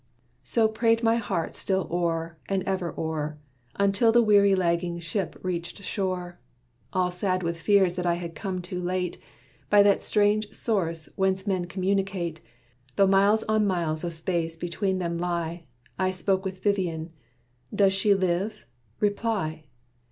So prayed my heart still o'er, and ever o'er, Until the weary lagging ship reached shore. All sad with fears that I had come too late, By that strange source whence men communicate, Though miles on miles of space between them lie, I spoke with Vivian: "Does she live? Reply."